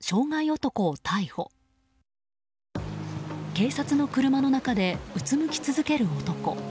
警察の車の中でうつむき続ける男。